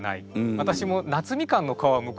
私も夏みかんの皮をむくのかなと。